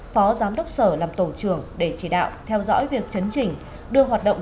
phó giám đốc sở làm tổ trưởng để chỉ đạo theo dõi việc chấn chỉnh đưa hoạt động